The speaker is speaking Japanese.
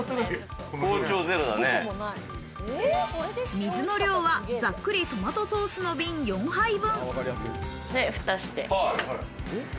水の量は、ざっくりトマトソースの瓶４杯分。